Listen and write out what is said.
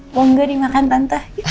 kok gak dimakan tante